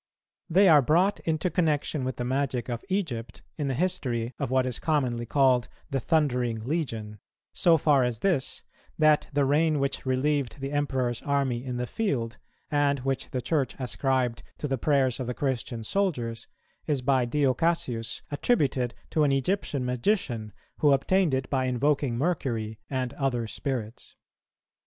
They are brought into connexion with the magic of Egypt in the history of what is commonly called the Thundering Legion, so far as this, that the rain which relieved the Emperor's army in the field, and which the Church ascribed to the prayers of the Christian soldiers, is by Dio Cassius attributed to an Egyptian magician, who obtained it by invoking Mercury and other spirits.